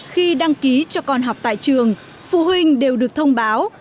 khi đăng ký cho con học tại trường phụ huynh đều được thông báo